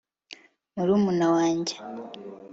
murumuna wanjye